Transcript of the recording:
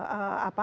ya itu siapa